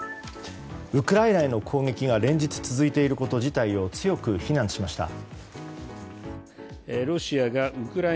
ウクライナへの攻撃が連日続いていること自体を強く非難しました。